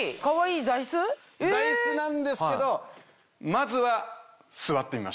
座椅子なんですけどまずは。